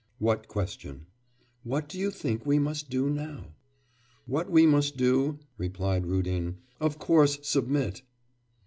'What question?' 'What do you think we must do now?' 'What we must do?' replied Rudin; 'of course submit.